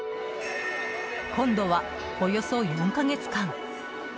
今度は、およそ４か月間。